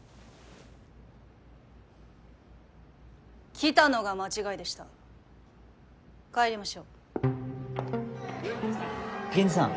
来たのが間違いでした帰りましょうゲンジさん